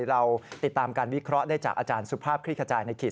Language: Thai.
เราติดตามการวิเคราะห์ได้จากอาจารย์สุภาพคลิกขจายในขีด